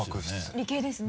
理系ですね。